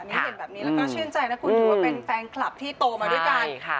ก็ชื่อใจนะคุณดูว่าเป็นแฟนคลับที่โตมาด้วยกัน